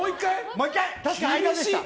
確かに間でした。